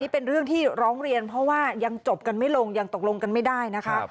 เป็นเรื่องที่ร้องเรียนเพราะว่ายังจบกันไม่ลงยังตกลงกันไม่ได้นะคะ